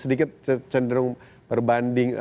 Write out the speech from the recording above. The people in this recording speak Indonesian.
sedikit cenderung berbanding